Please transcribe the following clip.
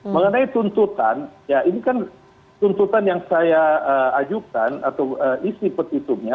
mengenai tuntutan ya ini kan tuntutan yang saya ajukan atau isi petitumnya